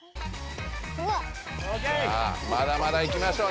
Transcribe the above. さあまだまだいきましょう。